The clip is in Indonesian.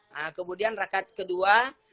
nah kemudian rakaat kedua